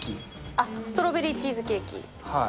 あっ、ストロベリーチーズケはい。